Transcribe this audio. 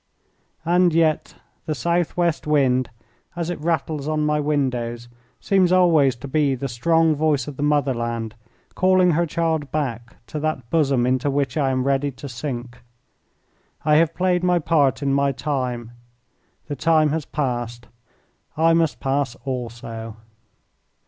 And yet the southwest wind as it rattles on my windows seems always to be the strong voice of the motherland calling her child back to that bosom into which I am ready to sink. I have played my part in my time. The time has passed. I must pass also.